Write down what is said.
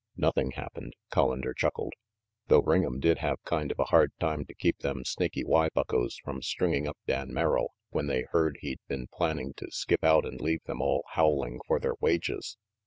"Nothing happened," Collander chuckled, "though Ring 'em did have kind of a hard time to keep them Snaky Y buckos from stringing up Dan Merrill, when they heard he'd been planning to skip out and leave them all howling for their wages.